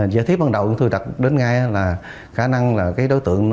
giả thiết ban đầu tôi đặt đến ngay là khả năng là đối tượng